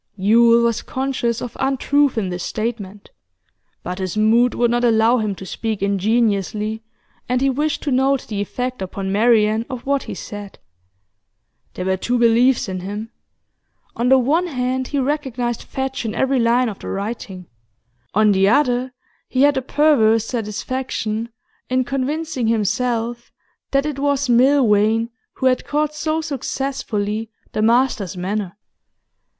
Yule was conscious of untruth in this statement, but his mood would not allow him to speak ingenuously, and he wished to note the effect upon Marian of what he said. There were two beliefs in him: on the one hand, he recognised Fadge in every line of the writing; on the other, he had a perverse satisfaction in convincing himself that it was Milvain who had caught so successfully the master's manner.